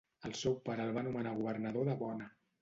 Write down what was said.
El seu pare el va nomenar governador de Bona.